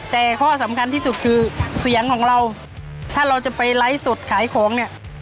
แต่ข้อสำคัญที่สุดคือเสียงของเราถ้าเราจะไปไลฟ์สดขายของเนี่ย